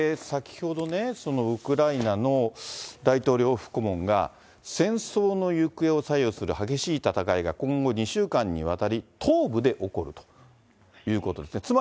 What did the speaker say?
先ほどね、ウクライナの大統領府顧問が戦争の行方を左右する激しい戦いが今後２週間にわたり東部で起こるということですね。